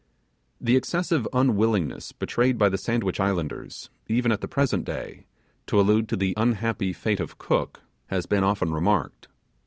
The excessive unwillingness betrayed by the Sandwich Islanders, even at the present day, to allude to the unhappy fate of Cook, has often been remarked.